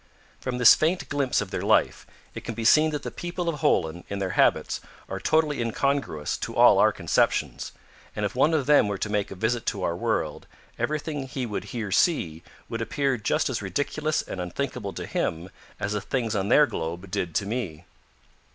From this faint glimpse of their life, it can be seen that the people of Holen in their habits are totally incongruous to all our conceptions, and if one of them were to make a visit to our world, everything he would here see would appear just as ridiculous and unthinkable to him as the things on their globe did to me.